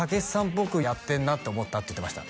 っぽくやってんなって思った」って言ってました